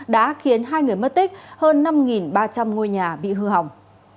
đã khiến hai người mất tích hơn năm ba trăm linh ngôi nhà bị hư hỏng